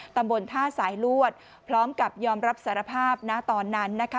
ตำบลท่าสายลวดพร้อมกับยอมรับสารภาพนะตอนนั้นนะคะ